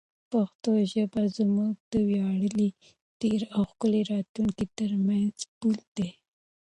پښتو ژبه زموږ د ویاړلي تېر او ښکلي راتلونکي ترمنځ پل دی.